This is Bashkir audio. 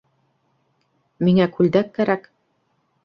Миңә күлдәк кәрәк!